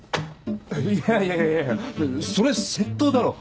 いやいやそれ窃盗だろ